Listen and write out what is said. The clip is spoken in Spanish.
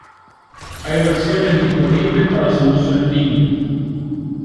Hay versiones disponibles para su uso en niños.